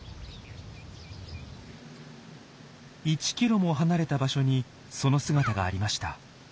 １キロも離れた場所にその姿がありました。